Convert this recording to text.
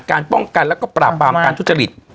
การป้องกันและปร่าบความการทุจริต